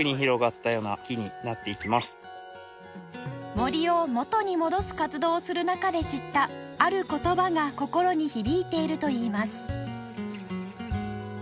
森を元に戻す活動をする中で知ったある言葉が心に響いているといいます